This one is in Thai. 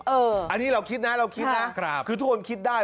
เอออันนี้เราก็คิดนะเราโทนคิดได้